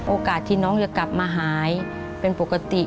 โอกาสที่น้องจะกลับมาหายเป็นปกติ